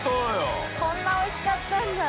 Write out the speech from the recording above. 蠹筿茵そんなおいしかったんだ。